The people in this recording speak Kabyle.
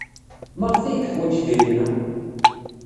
Maɣef ay yeḥwaj idrimen-a?